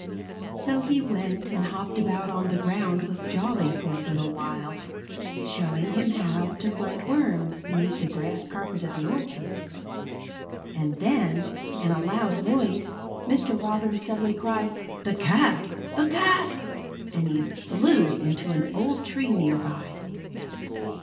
So he went and hopped about on the ground with Jolly for a little while, showing him how to find worms beneath the grass carpet of the orchard. And then, in a loud voice, Mr. Robin suddenly cried: "The cat! The cat!" And he flew into an old tree near by.